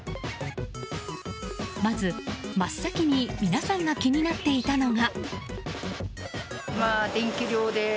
まず、真っ先に皆さんが気になっていたのが。